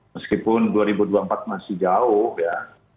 meskipun dua ribu dua puluh empat masih jauh ya